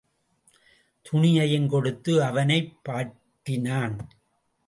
துணியையும் கொடுத்து, அவனைப் பாட்டினான்.